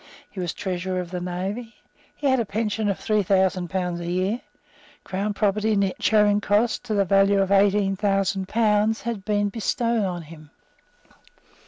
He was Treasurer of the Navy. He had a pension of three thousand pounds a year. Crown property near Charing Cross, to the value of eighteen thousand pounds, had been bestowed on him.